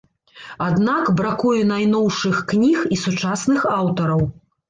Аднак бракуе найноўшых кніг і сучасных аўтараў.